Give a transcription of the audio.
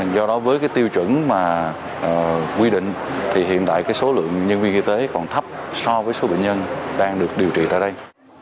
do đó với tiêu chuẩn mà quy định thì hiện tại số lượng nhân viên y tế còn thấp so với số bệnh nhân đang được điều trị tại đây